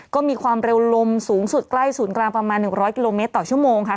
ก็มีความเร็วลมสูงสุดใกล้ศูนย์กลางประมาณ๑๐๐กิโลเมตรต่อชั่วโมงค่ะ